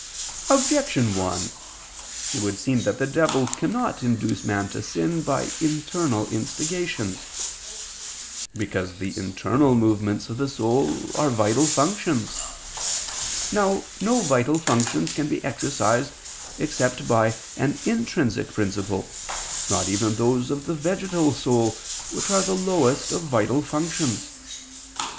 Objection 1: It would seem that the devil cannot induce man to sin, by internal instigations. Because the internal movements of the soul are vital functions. Now no vital functions can be exercised except by an intrinsic principle, not even those of the vegetal soul, which are the lowest of vital functions.